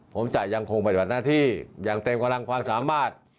ผมจะยังคงปฏิบัติหน้าที่อย่างเต็มกำลังความสามารถ